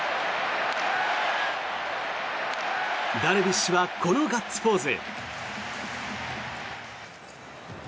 ダルビッシュはこのガッツポーズ。